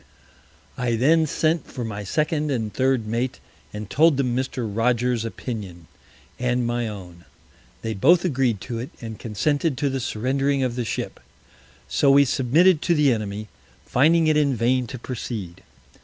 I then sent for my Second and Third Mate, and told them Mr. Rogers's Opinion and my own. They both agreed to it, and consented to the surrendering of the Ship. So we submitted to the Enemy, finding it in vain to proceed.